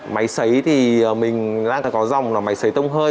máy xấy thì mình đang có dòng máy xấy tông hơi